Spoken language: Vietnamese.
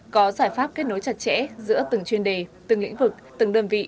có giải pháp kết nối chặt chẽ giữa từng chuyên đề từng lĩnh vực từng đơn vị